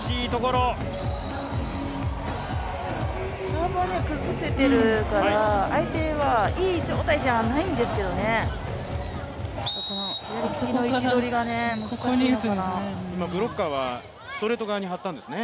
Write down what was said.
サーブは崩せているから、相手はいい状態ではないんですよね。